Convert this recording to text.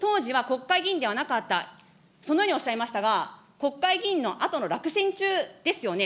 当時は国会議員ではなかった、そのようにおっしゃいましたが、国会議員のあとの落選中ですよね。